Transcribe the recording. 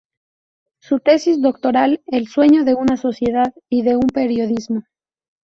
Su tesis doctoral "El sueño de una sociedad y de un periodismo.